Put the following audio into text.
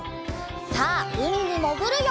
さあうみにもぐるよ！